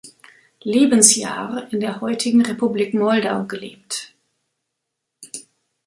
Lebensjahr in der heutigen Republik Moldau gelebt.